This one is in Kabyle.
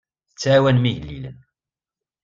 Tettɛawanem igellilen.